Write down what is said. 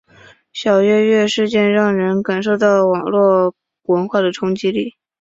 小月月事件让人感受到了网络文化的冲击力。